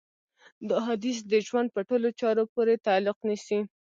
دا حديث د ژوند په ټولو چارو پورې تعلق نيسي.